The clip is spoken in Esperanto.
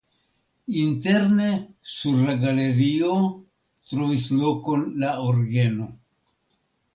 Interne sur la galerio trovis lokon la orgeno.